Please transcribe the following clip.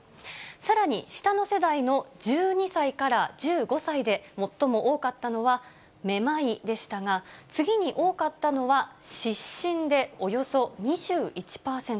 さらに下の世代の１２歳から１５歳で最も多かったのは、めまいでしたが、次に多かったのは、失神でおよそ２１％。